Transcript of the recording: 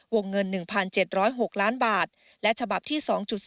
วงเงิน๑๗๐๖ล้านบาทและฉบับที่๒๔